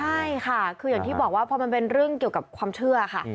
ใช่ค่ะคืออย่างที่บอกว่าพอมันเป็นเรื่องเกี่ยวกับความเชื่อค่ะ